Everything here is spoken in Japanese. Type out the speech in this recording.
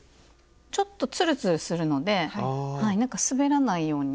ちょっとツルツルするのではい滑らないように。